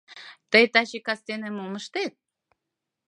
Тый таче кастене мом ыштет?